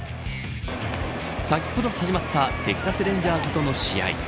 先ほど始まったテキサス・レンジャーズとの試合